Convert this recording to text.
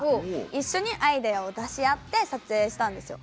一緒にアイデアを出し合って撮影したんですよ。